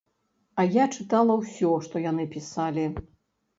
Я чытала ўсё, што яны пісалі.